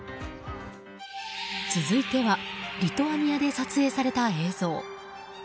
続いてはリトアニアで撮影された映像。